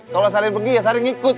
kalau sare pergi ya sare ngikut